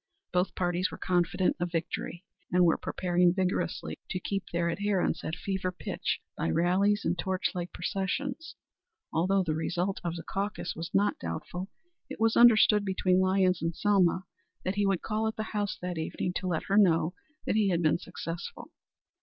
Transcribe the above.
Both parties were confident of victory, and were preparing vigorously to keep their adherents at fever pitch by rallies and torch light processions. Although the result of the caucus was not doubtful, it was understood between Lyons and Selma that he would call at the house that evening to let her know that he had been successful.